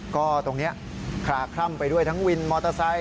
ก็ตรงนี้คลาคล่ำไปด้วยทั้งวินมอเตอร์ไซค